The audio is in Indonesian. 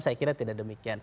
saya kira tidak demikian